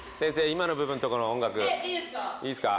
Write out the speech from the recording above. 今の部分のところ音楽えっいいですか？